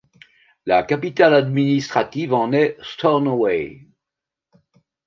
La capitale administrative en est Stornoway.